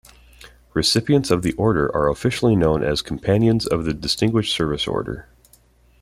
Recipients of the order are officially known as Companions of the Distinguished Service Order.